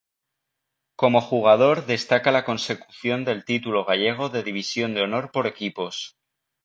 Como jugador destaca la consecución del título gallego de división de honor por equipos.